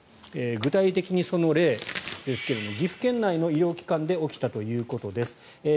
具体的にその例ですが岐阜県内の医療機関で起きたということです。